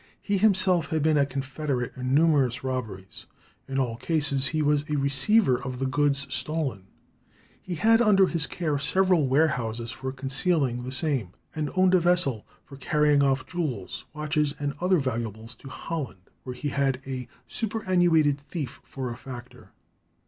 He himself had been a confederate in numerous robberies; in all cases he was a receiver of the goods stolen; he had under his care several warehouses for concealing the same, and owned a vessel for carrying off jewels, watches, and other valuables to Holland, where he had a superannuated thief for a factor.